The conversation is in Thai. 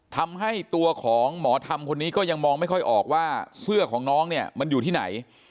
ทำให้ตัวของหมอธรรมคนนี้ก็ยังมองไม่ค่อยออกว่าเสื้อของน้องเนี่ยมันอยู่ที่ไหน